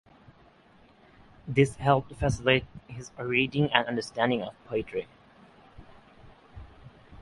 This helped facilitate his reading and understanding of poetry.